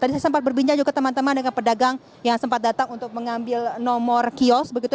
tadi saya sempat berbincang juga teman teman dengan pedagang yang sempat datang untuk mengambil nomor kios begitu